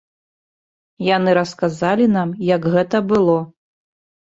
Яны расказалі нам, як гэта было.